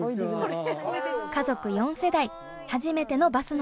家族４世代初めてのバスの旅。